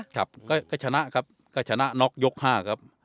ครับก็ชนะครับก็ชนะน็อกยก๕ครับ